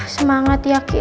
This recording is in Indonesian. semangat ya ki